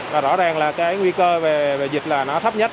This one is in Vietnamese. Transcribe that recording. và rõ ràng là cái nguy cơ về dịch là nó thấp nhất